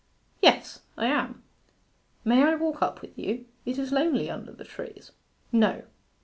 'Yes, I am,' 'May I walk up with you? It is lonely under the trees.' 'No.